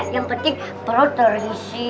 yang penting perut terisi